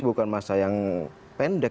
bukan masa yang pendek